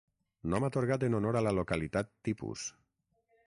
Nom atorgat en honor a la localitat tipus.